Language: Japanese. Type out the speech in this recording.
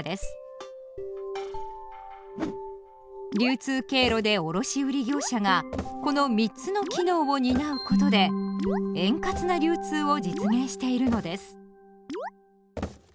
流通経路で卸売業者がこの三つの機能を担うことで円滑な流通を実現しているのです。